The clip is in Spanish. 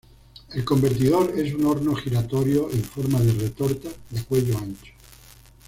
El convertidor es un horno giratorio en forma de retorta, de cuello ancho.